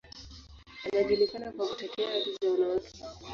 Anajulikana kwa kutetea haki za wanawake.